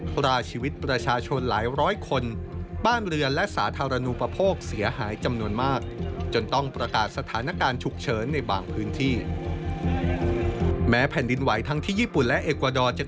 พลาชีวิตประชาชนหลายร้อยคนบ้านเรือนและสาธารณูปโภคเสียหายจำนวนมาก